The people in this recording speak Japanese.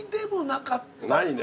ないね。